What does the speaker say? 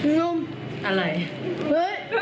นั่งนั่ง